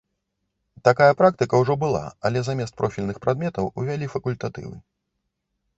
Такая практыка ўжо была, але замест профільных прадметаў увялі факультатывы.